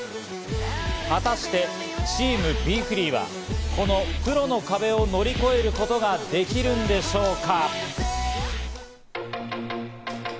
果たしてチームＢｅＦｒｅｅはこのプロの壁を乗り越えることができるんでしょうか？